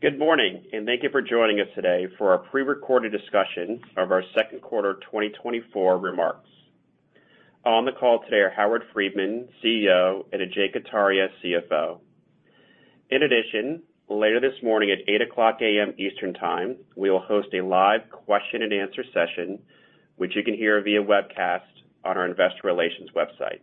Good morning, and thank you for joining us today for our pre-recorded discussion of our second quarter 2024 remarks. On the call today are Howard Friedman, CEO, and Ajay Kataria, CFO. In addition, later this morning at 8:00 A.M. Eastern Time, we will host a live question-and-answer session, which you can hear via webcast on our investor relations website.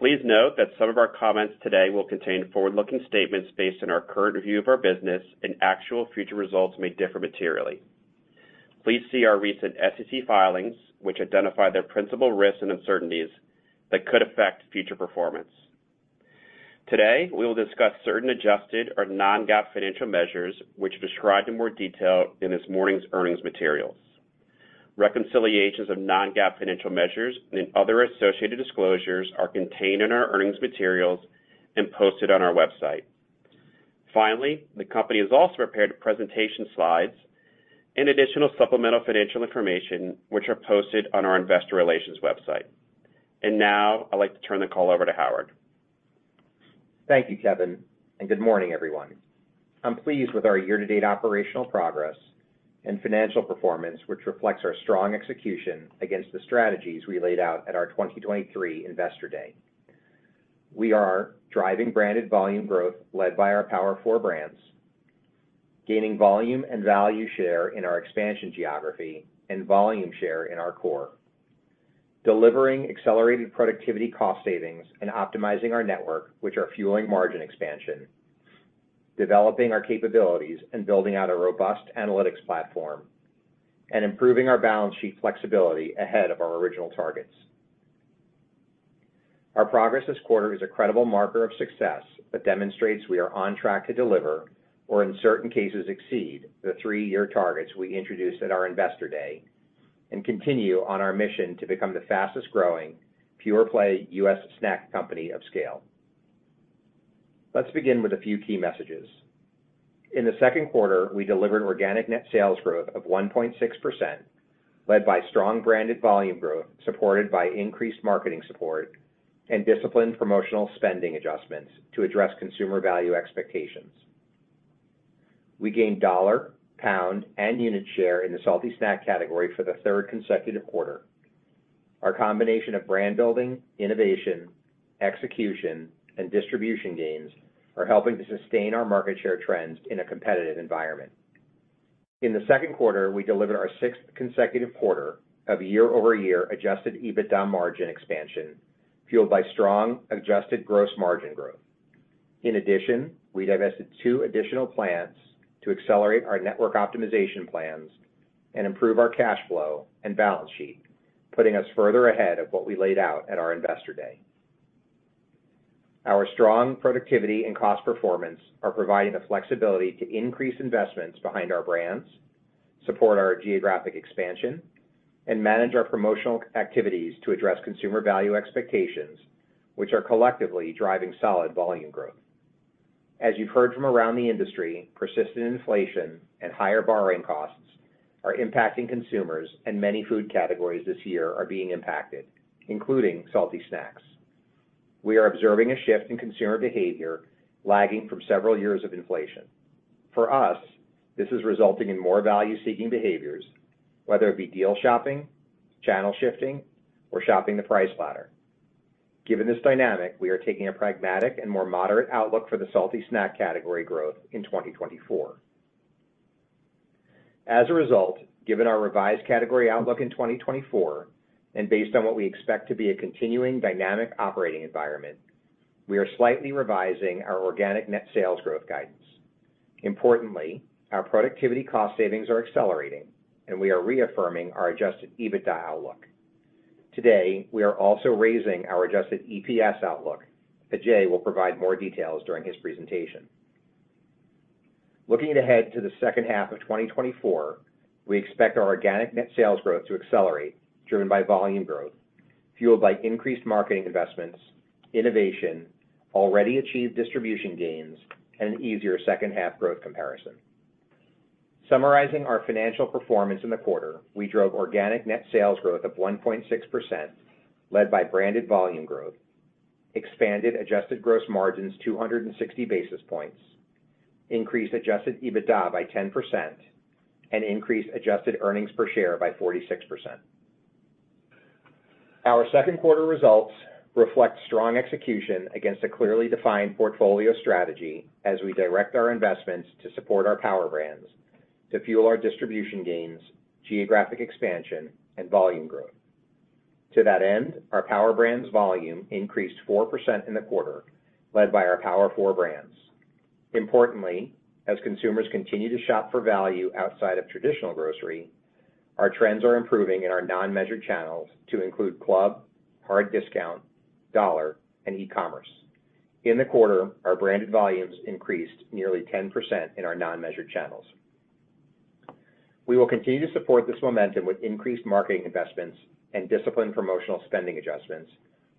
Please note that some of our comments today will contain forward-looking statements based on our current view of our business, and actual future results may differ materially. Please see our recent SEC filings, which identify the principal risks and uncertainties that could affect future performance. Today, we will discuss certain adjusted or non-GAAP financial measures, which are described in more detail in this morning's earnings materials. Reconciliations of non-GAAP financial measures and other associated disclosures are contained in our earnings materials and posted on our website. Finally, the company has also prepared presentation slides and additional supplemental financial information, which are posted on our investor relations website. And now, I'd like to turn the call over to Howard. Thank you, Kevin, and good morning, everyone. I'm pleased with our year-to-date operational progress and financial performance, which reflects our strong execution against the strategies we laid out at our 2023 Investor Day. We are driving branded volume growth led by our Power Four Brands, gaining volume and value share in our expansion geography and volume share in our core, delivering accelerated productivity cost savings and optimizing our network, which are fueling margin expansion, developing our capabilities and building out a robust analytics platform, and improving our balance sheet flexibility ahead of our original targets. Our progress this quarter is a credible marker of success that demonstrates we are on track to deliver or, in certain cases, exceed the three-year targets we introduced at our Investor Day and continue on our mission to become the fastest-growing, pure-play U.S. snack company of scale. Let's begin with a few key messages. In the second quarter, we delivered organic net sales growth of 1.6%, led by strong branded volume growth supported by increased marketing support and disciplined promotional spending adjustments to address consumer value expectations. We gained dollar, pound, and unit share in the salty snack category for the third consecutive quarter. Our combination of brand building, innovation, execution, and distribution gains are helping to sustain our market share trends in a competitive environment. In the second quarter, we delivered our sixth consecutive quarter of year-over-year adjusted EBITDA margin expansion, fueled by strong adjusted gross margin growth. In addition, we divested two additional plants to accelerate our network optimization plans and improve our cash flow and balance sheet, putting us further ahead of what we laid out at our Investor Day. Our strong productivity and cost performance are providing the flexibility to increase investments behind our brands, support our geographic expansion, and manage our promotional activities to address consumer value expectations, which are collectively driving solid volume growth. As you've heard from around the industry, persistent inflation and higher borrowing costs are impacting consumers, and many food categories this year are being impacted, including salty snacks. We are observing a shift in consumer behavior lagging from several years of inflation. For us, this is resulting in more value-seeking behaviors, whether it be deal shopping, channel shifting, or shopping the price ladder. Given this dynamic, we are taking a pragmatic and more moderate outlook for the salty snack category growth in 2024. As a result, given our revised category outlook in 2024 and based on what we expect to be a continuing dynamic operating environment, we are slightly revising our organic net sales growth guidance. Importantly, our productivity cost savings are accelerating, and we are reaffirming our adjusted EBITDA outlook. Today, we are also raising our adjusted EPS outlook. Ajay will provide more details during his presentation. Looking ahead to the second half of 2024, we expect our organic net sales growth to accelerate, driven by volume growth, fueled by increased marketing investments, innovation, already achieved distribution gains, and an easier second-half growth comparison. Summarizing our financial performance in the quarter, we drove organic net sales growth of 1.6%, led by branded volume growth, expanded adjusted gross margins 260 basis points, increased adjusted EBITDA by 10%, and increased adjusted earnings per share by 46%. Our second quarter results reflect strong execution against a clearly defined portfolio strategy as we direct our investments to support our Power Brands to fuel our distribution gains, geographic expansion, and volume growth. To that end, our Power Brands volume increased 4% in the quarter, led by our Power Four Brands. Importantly, as consumers continue to shop for value outside of traditional grocery, our trends are improving in our non-measured channels to include club, hard discount, dollar, and e-commerce. In the quarter, our branded volumes increased nearly 10% in our non-measured channels. We will continue to support this momentum with increased marketing investments and disciplined promotional spending adjustments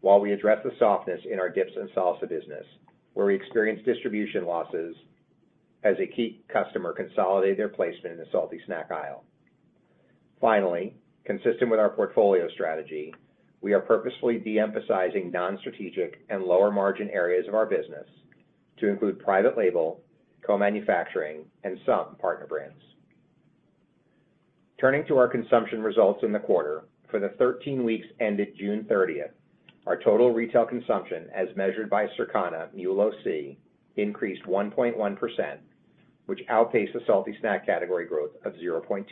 while we address the softness in our dips and salsa business, where we experience distribution losses as a key customer consolidates their placement in the salty snack aisle. Finally, consistent with our portfolio strategy, we are purposefully de-emphasizing non-strategic and lower-margin areas of our business to include private label, co-manufacturing, and some partner brands. Turning to our consumption results in the quarter, for the 13 weeks ended June 30th, our total retail consumption, as measured by Circana MULO-C, increased 1.1%, which outpaced the salty snack category growth of 0.2%.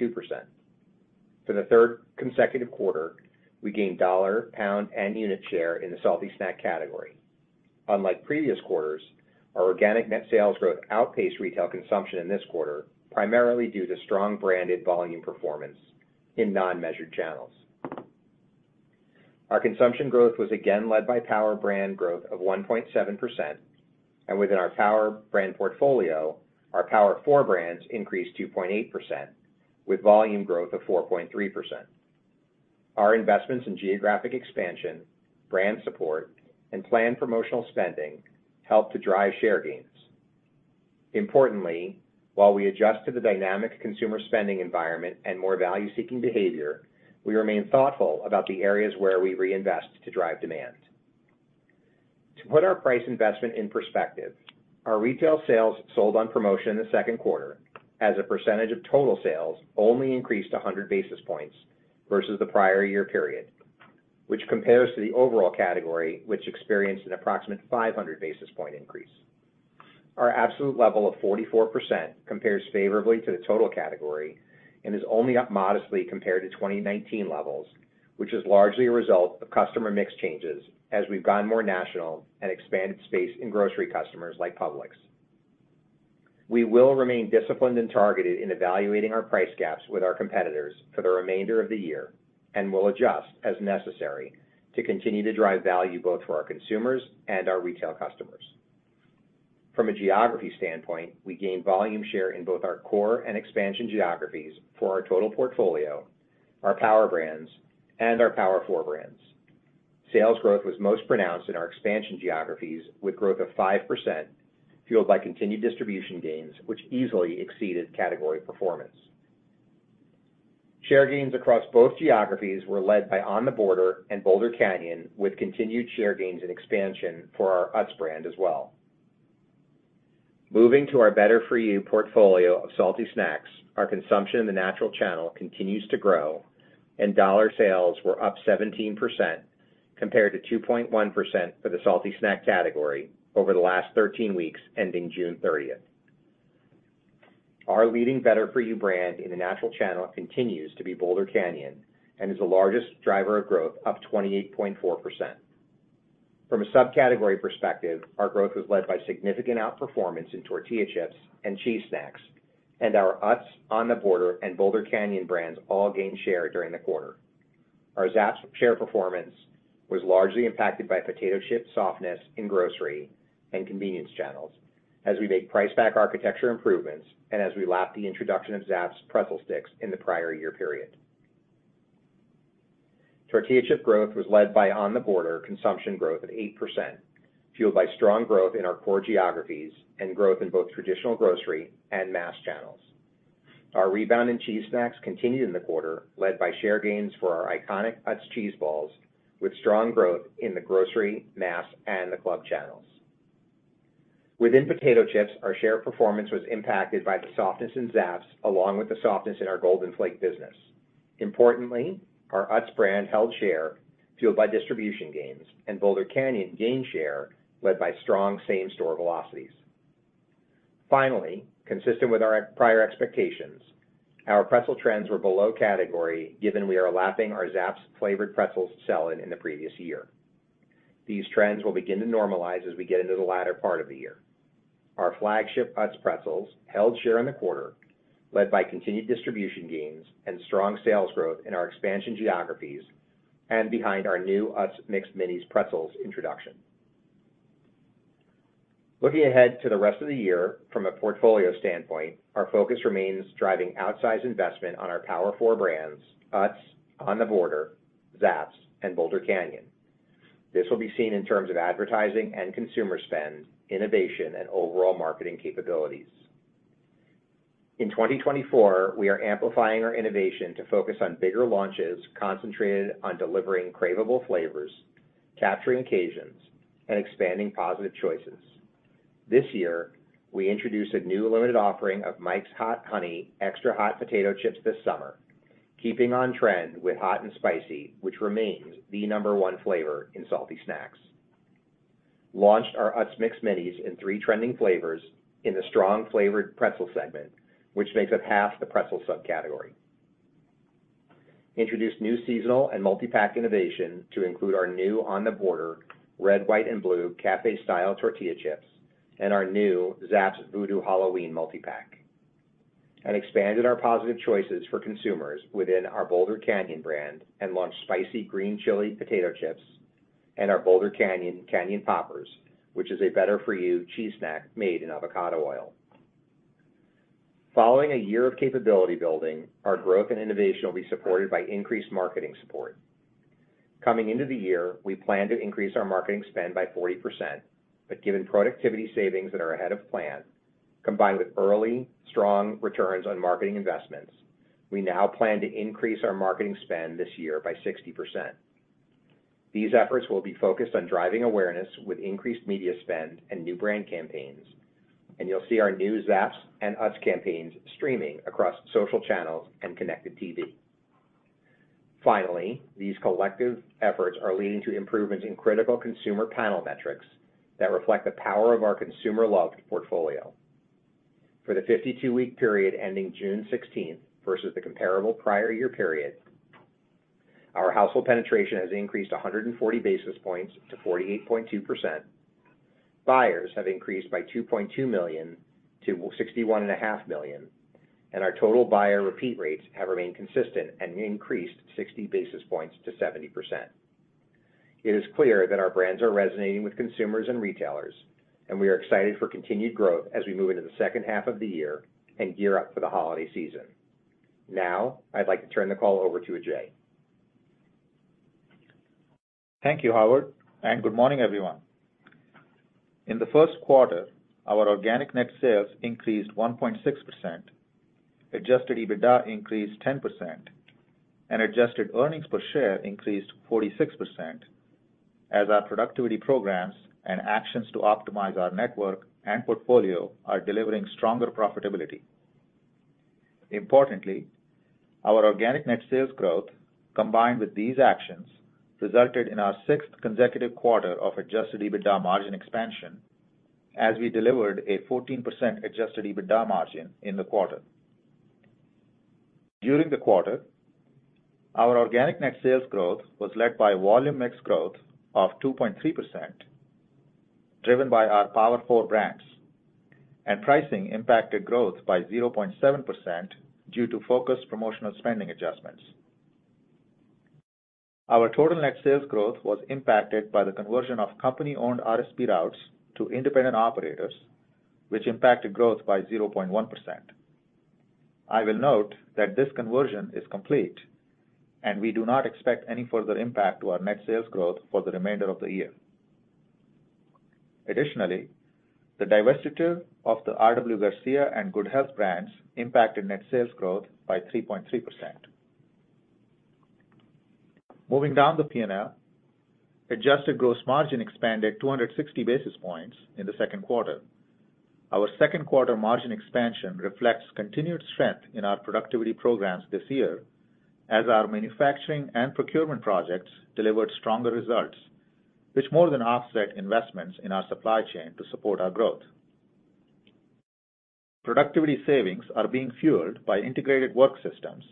For the third consecutive quarter, we gained dollar, pound, and unit share in the salty snack category. Unlike previous quarters, our organic net sales growth outpaced retail consumption in this quarter, primarily due to strong branded volume performance in non-measured channels. Our consumption growth was again led by Power Brands growth of 1.7%, and within our Power Brands portfolio, our Power Four Brands increased 2.8%, with volume growth of 4.3%. Our investments in geographic expansion, brand support, and planned promotional spending helped to drive share gains. Importantly, while we adjust to the dynamic consumer spending environment and more value-seeking behavior, we remain thoughtful about the areas where we reinvest to drive demand. To put our price investment in perspective, our retail sales sold on promotion in the second quarter, as a percentage of total sales, only increased 100 basis points versus the prior year period, which compares to the overall category, which experienced an approximate 500 basis point increase. Our absolute level of 44% compares favorably to the total category and is only up modestly compared to 2019 levels, which is largely a result of customer mix changes as we've gone more national and expanded space in grocery customers like Publix. We will remain disciplined and targeted in evaluating our price gaps with our competitors for the remainder of the year and will adjust as necessary to continue to drive value both for our consumers and our retail customers. From a geography standpoint, we gained volume share in both our core and expansion geographies for our total portfolio, our Power Brands, and our Power Four Brands. Sales growth was most pronounced in our expansion geographies, with growth of 5%, fueled by continued distribution gains, which easily exceeded category performance. Share gains across both On The Border and Boulder Canyon, with continued share gains and expansion for our Utz brand as well. Moving to our better-for-you portfolio of salty snacks, our consumption in the natural channel continues to grow, and dollar sales were up 17% compared to 2.1% for the salty snack category over the last 13 weeks ending June 30th. Our leading better-for-you brand in the natural channel continues to be Boulder Canyon and is the largest driver of growth, up 28.4%. From a subcategory perspective, our growth was led by significant outperformance in tortilla chips and cheese On The Border, and Boulder Canyon brands all gained share during the quarter. Our Zapp's share performance was largely impacted by potato chip softness in grocery and convenience channels as we made price-pack architecture improvements and as we lapped the introduction of Zapp's pretzel sticks in the prior year period. Tortilla chip On The Border consumption growth of 8%, fueled by strong growth in our core geographies and growth in both traditional grocery and mass channels. Our rebound in cheese snacks continued in the quarter, led by share gains for our iconic Utz cheese balls, with strong growth in the grocery, mass, and the club channels. Within potato chips, our share performance was impacted by the softness in Zapp's, along with the softness in our Golden Flake business. Importantly, our Utz brand held share, fueled by distribution gains, and Boulder Canyon gained share, led by strong same-store velocities. Finally, consistent with our prior expectations, our pretzel trends were below category, given we are lapping our Zapp's-flavored pretzels selling in the previous year. These trends will begin to normalize as we get into the latter part of the year. Our flagship Utz pretzels held share in the quarter, led by continued distribution gains and strong sales growth in our expansion geographies and behind our new Utz Mixed Minis Pretzels introduction. Looking ahead to the rest of the year from a portfolio standpoint, our focus remains driving outsized investment On The Border, Zapp's, and Boulder Canyon. this will be seen in terms of advertising and consumer spend, innovation, and overall marketing capabilities. In 2024, we are amplifying our innovation to focus on bigger launches concentrated on delivering craveable flavors, capturing occasions, and expanding positive choices. This year, we introduced a new limited offering of Mike's Hot Honey Extra Hot Potato Chips this summer, keeping on trend with hot and spicy, which remains the number one flavor in salty snacks. Launched our Utz Mixed Minis in three trending flavors in the strong-flavored pretzel segment, which makes up half the pretzel subcategory. Introduced new seasonal and multi-pack innovation On The Border Red, White, and Blue Café-Style Tortilla Chips and our new Zapp's Voodoo Halloween multi-pack. Expanded our positive choices for consumers within our Boulder Canyon brand and launched Spicy Green Chili potato chips and our Boulder Canyon Canyon Poppers, which is a better-for-you cheese snack made in avocado oil. Following a year of capability building, our growth and innovation will be supported by increased marketing support. Coming into the year, we plan to increase our marketing spend by 40%, but given productivity savings that are ahead of plan, combined with early, strong returns on marketing investments, we now plan to increase our marketing spend this year by 60%. These efforts will be focused on driving awareness with increased media spend and new brand campaigns, and you'll see our new Zapp's and Utz campaigns streaming across social channels and connected TV. Finally, these collective efforts are leading to improvements in critical consumer panel metrics that reflect the power of our consumer-loved portfolio. For the 52-week period ending June 16th versus the comparable prior year period, our household penetration has increased 140 basis points to 48.2%. Buyers have increased by 2.2 million to 61.5 million, and our total buyer repeat rates have remained consistent and increased 60 basis points to 70%. It is clear that our brands are resonating with consumers and retailers, and we are excited for continued growth as we move into the second half of the year and gear up for the holiday season. Now, I'd like to turn the call over to Ajay. Thank you, Howard, and good morning, everyone. In the first quarter, our organic net sales increased 1.6%, adjusted EBITDA increased 10%, and adjusted earnings per share increased 46% as our productivity programs and actions to optimize our network and portfolio are delivering stronger profitability. Importantly, our organic net sales growth, combined with these actions, resulted in our sixth consecutive quarter of adjusted EBITDA margin expansion as we delivered a 14% adjusted EBITDA margin in the quarter. During the quarter, our organic net sales growth was led by volume mix growth of 2.3%, driven by our Power Four Brands, and pricing impacted growth by 0.7% due to focused promotional spending adjustments. Our total net sales growth was impacted by the conversion of company-owned RSP routes to independent operators, which impacted growth by 0.1%. I will note that this conversion is complete, and we do not expect any further impact to our net sales growth for the remainder of the year. Additionally, the divestiture of the RW Garcia and Good Health brands impacted net sales growth by 3.3%. Moving down the P&L, adjusted gross margin expanded 260 basis points in the second quarter. Our second quarter margin expansion reflects continued strength in our productivity programs this year as our manufacturing and procurement projects delivered stronger results, which more than offset investments in our supply chain to support our growth. Productivity savings are being fueled by Integrated Work Systems,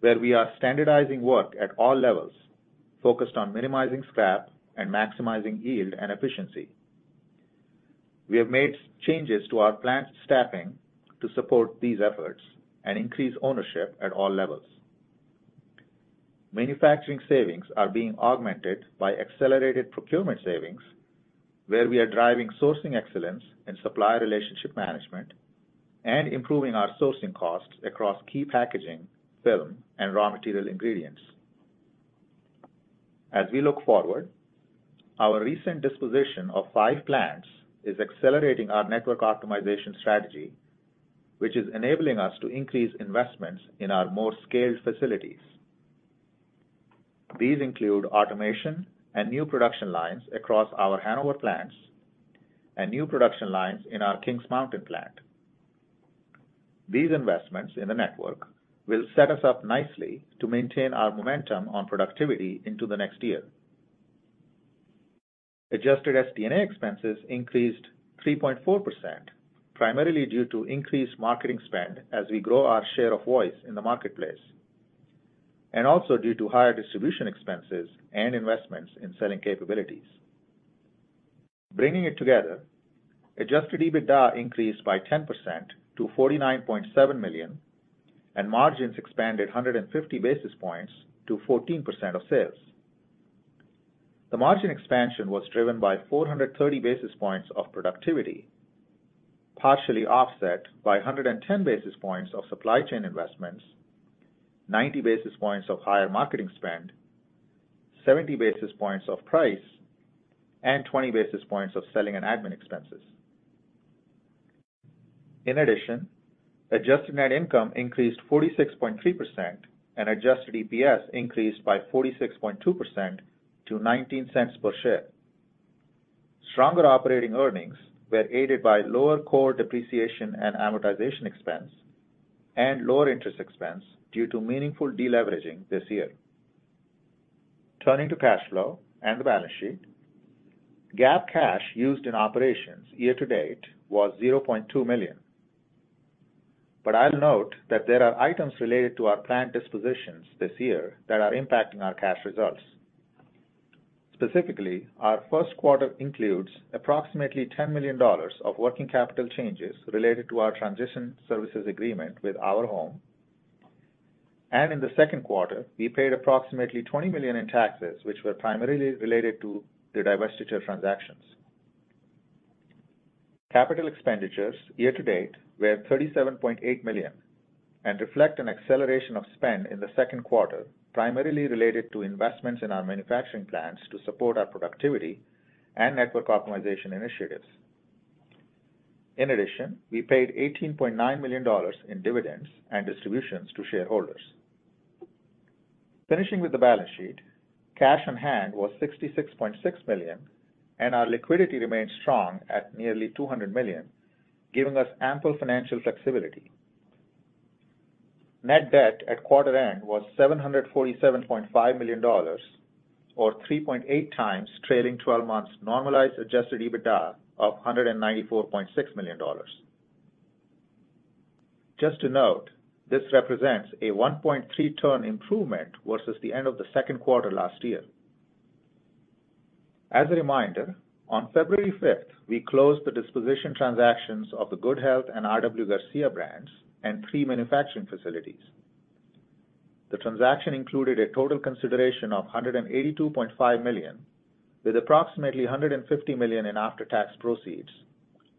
where we are standardizing work at all levels, focused on minimizing scrap and maximizing yield and efficiency. We have made changes to our plant staffing to support these efforts and increase ownership at all levels. Manufacturing savings are being augmented by accelerated procurement savings, where we are driving sourcing excellence in supplier relationship management and improving our sourcing costs across key packaging, film, and raw material ingredients. As we look forward, our recent disposition of five plants is accelerating our network optimization strategy, which is enabling us to increase investments in our more scaled facilities. These include automation and new production lines across our Hanover plants and new production lines in our Kings Mountain plant. These investments in the network will set us up nicely to maintain our momentum on productivity into the next year. Adjusted SD&A expenses increased 3.4%, primarily due to increased marketing spend as we grow our share of voice in the marketplace and also due to higher distribution expenses and investments in selling capabilities. Bringing it together, adjusted EBITDA increased by 10% to $49.7 million, and margins expanded 150 basis points to 14% of sales. The margin expansion was driven by 430 basis points of productivity, partially offset by 110 basis points of supply chain investments, 90 basis points of higher marketing spend, 70 basis points of price, and 20 basis points of selling and admin expenses. In addition, adjusted net income increased 46.3%, and adjusted EPS increased by 46.2% to $0.19 per share. Stronger operating earnings were aided by lower core depreciation and amortization expense and lower interest expense due to meaningful deleveraging this year. Turning to cash flow and the balance sheet, GAAP cash used in operations year to date was $0.2 million. But I'll note that there are items related to our planned dispositions this year that are impacting our cash results. Specifically, our first quarter includes approximately $10 million of working capital changes related to our transition services agreement with Our Home, and in the second quarter, we paid approximately $20 million in taxes, which were primarily related to the divestiture transactions. Capital expenditures year to date were $37.8 million and reflect an acceleration of spend in the second quarter, primarily related to investments in our manufacturing plants to support our productivity and network optimization initiatives. In addition, we paid $18.9 million in dividends and distributions to shareholders. Finishing with the balance sheet, cash on hand was $66.6 million, and our liquidity remained strong at nearly $200 million, giving us ample financial flexibility. Net debt at quarter end was $747.5 million, or 3.8x trailing 12 months' normalized adjusted EBITDA of $194.6 million. Just to note, this represents a 1.3-turn improvement versus the end of the second quarter last year. As a reminder, on February 5th, we closed the disposition transactions of the Good Health and RW Garcia brands and three manufacturing facilities. The transaction included a total consideration of $182.5 million, with approximately $150 million in after-tax proceeds,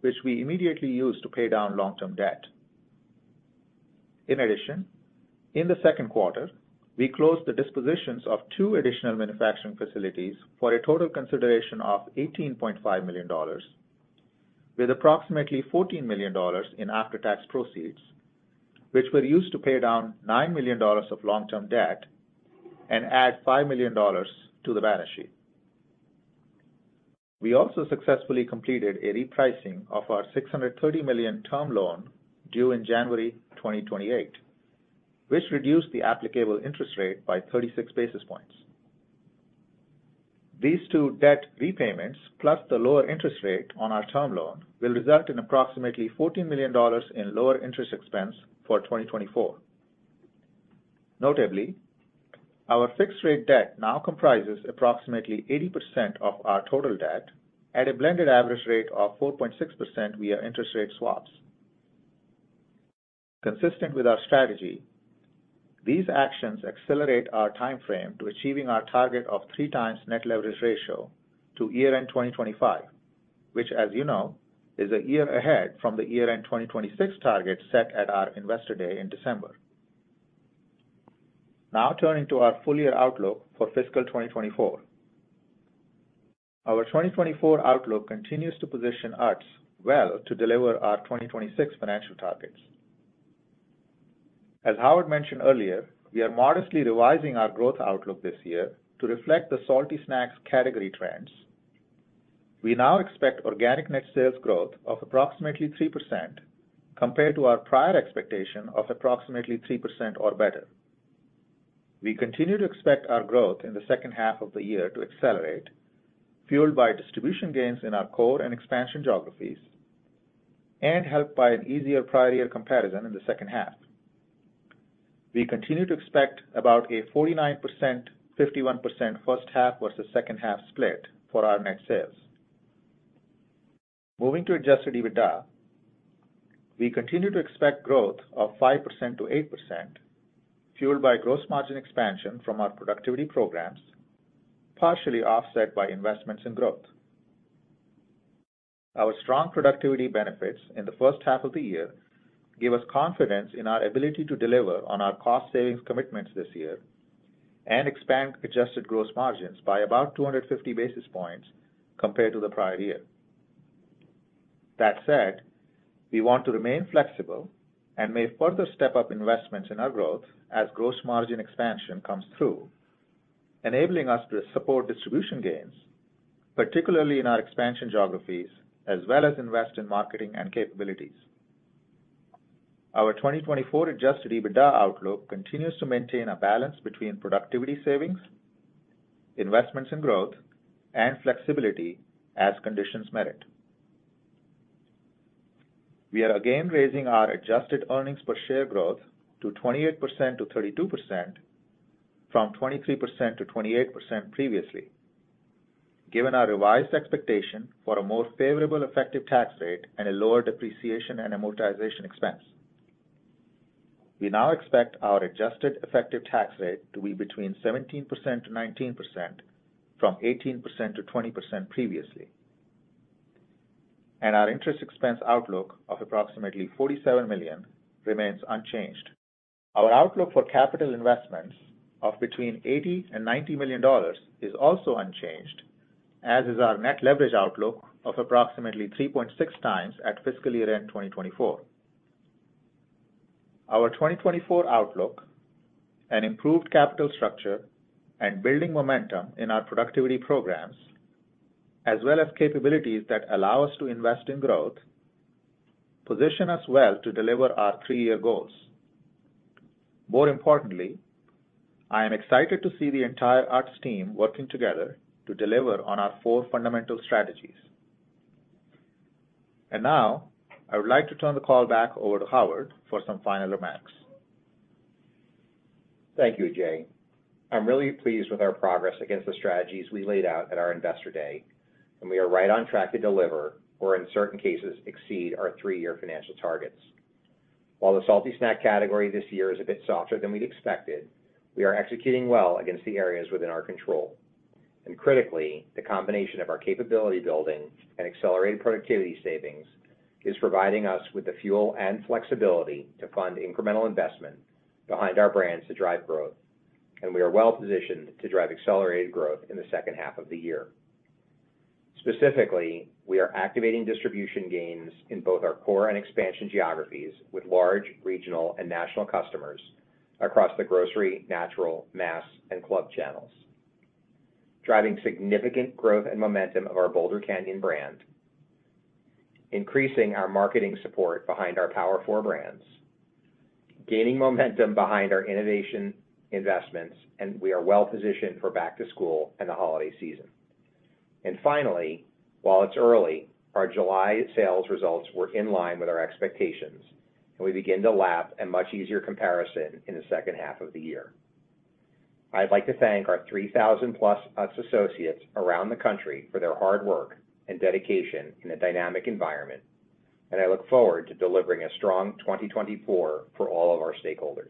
which we immediately used to pay down long-term debt. In addition, in the second quarter, we closed the dispositions of two additional manufacturing facilities for a total consideration of $18.5 million, with approximately $14 million in after-tax proceeds, which were used to pay down $9 million of long-term debt and add $5 million to the balance sheet. We also successfully completed a repricing of our $630 million term loan due in January 2028, which reduced the applicable interest rate by 36 basis points. These two debt repayments, plus the lower interest rate on our term loan, will result in approximately $14 million in lower interest expense for 2024. Notably, our fixed-rate debt now comprises approximately 80% of our total debt at a blended average rate of 4.6% via interest rate swaps. Consistent with our strategy, these actions accelerate our timeframe to achieving our target of 3x net leverage ratio to year-end 2025, which, as you know, is a year ahead from the year-end 2026 target set at our Investor Day in December. Now, turning to our full-year outlook for fiscal 2024, our 2024 outlook continues to position Utz well to deliver our 2026 financial targets. As Howard mentioned earlier, we are modestly revising our growth outlook this year to reflect the salty snacks category trends. We now expect organic net sales growth of approximately 3% compared to our prior expectation of approximately 3% or better. We continue to expect our growth in the second half of the year to accelerate, fueled by distribution gains in our core and expansion geographies and helped by an easier prior-year comparison in the second half. We continue to expect about a 49%-51% first-half versus second-half split for our net sales. Moving to adjusted EBITDA, we continue to expect growth of 5%-8%, fueled by gross margin expansion from our productivity programs, partially offset by investments in growth. Our strong productivity benefits in the first half of the year give us confidence in our ability to deliver on our cost-savings commitments this year and expand adjusted gross margins by about 250 basis points compared to the prior year. That said, we want to remain flexible and may further step up investments in our growth as gross margin expansion comes through, enabling us to support distribution gains, particularly in our expansion geographies, as well as invest in marketing and capabilities. Our 2024 adjusted EBITDA outlook continues to maintain a balance between productivity savings, investments in growth, and flexibility as conditions merit. We are again raising our adjusted earnings per share growth to 28%-32% from 23%-28% previously, given our revised expectation for a more favorable effective tax rate and a lower depreciation and amortization expense. We now expect our adjusted effective tax rate to be between 17%-19% from 18%-20% previously, and our interest expense outlook of approximately $47 million remains unchanged. Our outlook for capital investments of between $80 million-$90 million is also unchanged, as is our net leverage outlook of approximately 3.6 times at fiscal year-end 2024. Our 2024 outlook, an improved capital structure, and building momentum in our productivity programs, as well as capabilities that allow us to invest in growth, position us well to deliver our three-year goals. More importantly, I am excited to see the entire Utz team working together to deliver on our four fundamental strategies. Now, I would like to turn the call back over to Howard for some final remarks. Thank you, Ajay. I'm really pleased with our progress against the strategies we laid out at our Investor Day, and we are right on track to deliver or, in certain cases, exceed our three-year financial targets. While the salty snack category this year is a bit softer than we'd expected, we are executing well against the areas within our control. Critically, the combination of our capability building and accelerated productivity savings is providing us with the fuel and flexibility to fund incremental investment behind our brands to drive growth, and we are well positioned to drive accelerated growth in the second half of the year. Specifically, we are activating distribution gains in both our core and expansion geographies with large regional and national customers across the grocery, natural, mass, and club channels, driving significant growth and momentum of our Boulder Canyon brand, increasing our marketing support behind our Power Four Brands, gaining momentum behind our innovation investments, and we are well positioned for back-to-school and the holiday season. And finally, while it's early, our July sales results were in line with our expectations, and we begin to lap a much easier comparison in the second half of the year. I'd like to thank our 3,000+ Utz associates around the country for their hard work and dedication in a dynamic environment, and I look forward to delivering a strong 2024 for all of our stakeholders.